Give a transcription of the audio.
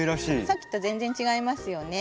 さっきと全然違いますよね。